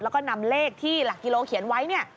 แล้วก็นำเลขที่หลักกิโลเขียนไว้เนี่ย